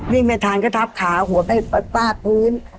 วิ่งแม่ทางก็ทับขาหัวไปปั้กป้าดพื้น